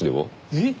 えっ？